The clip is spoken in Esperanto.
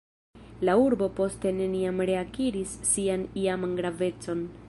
La urbo poste neniam reakiris sian iaman gravecon.